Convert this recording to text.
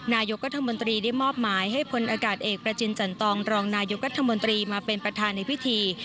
นายกรัฐมนตรีได้มอบหมายให้พลอากาศเอกประจินจันตองรองนายกรัฐมนตรีมาเป็นประธานในพิธี